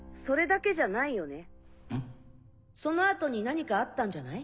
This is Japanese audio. その後に何かあったんじゃない？